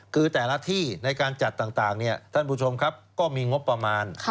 คือแต่ละที่ในการจัดต่างท่านผู้ชมครับก็มีงบประมาณ